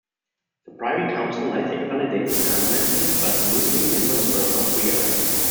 The Privy Council later invalidated the amnesty, but the Muslimeen members were not re-arrested.